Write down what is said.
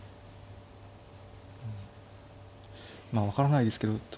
分からないですけど